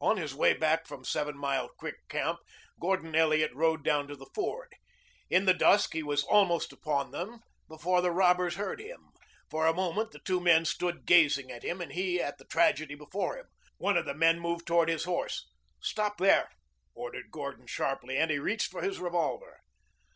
On his way back from Seven Mile Creek Camp Gordon Elliot rode down to the ford. In the dusk he was almost upon them before the robbers heard him. For a moment the two men stood gazing at him and he at the tragedy before him. One of the men moved toward his horse. "Stop there!" ordered Gordon sharply, and he reached for his revolver.